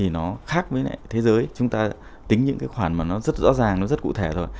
nó khác với lại thế giới chúng ta tính những cái khoản mà nó rất rõ ràng nó rất cụ thể rồi